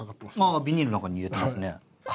ああビニールの中に入れてますね。